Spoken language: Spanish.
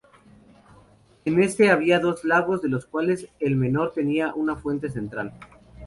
En este había dos lagos, de los cuales el menor tenía una fuente central.